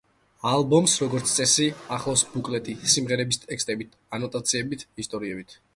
ალბომს, როგორც წესი, ახლავს ბუკლეტი სიმღერების ტექსტებით, ანოტაციებით, ისტორიებით, ფოტოსურათებით და სხვა ინფორმაციით.